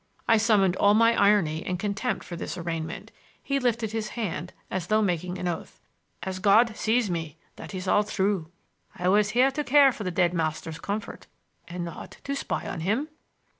I summoned all my irony and contempt for this arraignment. He lifted his hand, as though making oath. "As God sees me, that is all true. I was here to care for the dead master's comfort and not to spy on him."